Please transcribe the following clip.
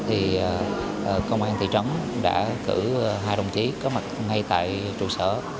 thì công an thị trấn đã cử hai đồng chí có mặt ngay tại trụ sở